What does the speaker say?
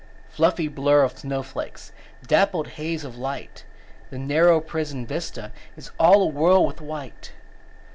Fluffy blur of snowflakes; Dappled haze of light; The narrow prison vista Is all awhirl with white.